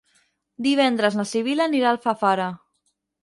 Divendres na Sibil·la anirà a Alfafara.